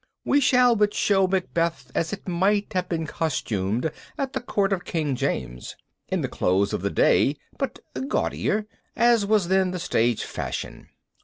We shall but show Macbeth as it might have been costumed at the court of King James. In the clothes of the day, but gaudier, as was then the stage fashion.